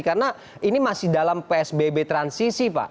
karena ini masih dalam psbb transisi pak